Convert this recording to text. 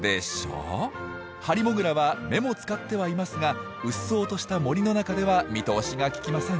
ハリモグラは目も使ってはいますがうっそうとした森の中では見通しがききません。